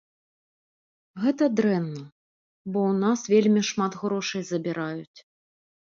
Гэта дрэнна, бо ў нас вельмі шмат грошай забіраюць.